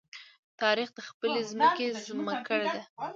تاریخ د خپلې ځمکې زمکړه ده.